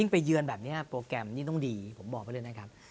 ไปเยือนแบบนี้โปรแกรมนี่ต้องดีผมบอกไปเลยนะครับ